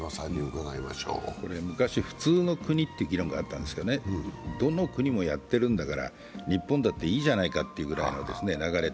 昔、普通の国って議論があったんですけどどの国もやってるんだから日本だっていいじゃないかぐらいの流れ。